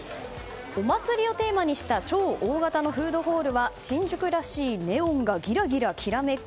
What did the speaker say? お祭りをテーマにした超大型のフードホールは新宿らしいネオンがギラギラきらめく